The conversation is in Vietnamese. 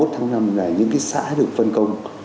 hai mươi một tháng năm là những xã được phân công